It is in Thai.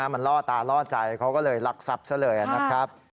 มันล่อตาล่อใจเค้าก็เลยลักษัพเสียเลย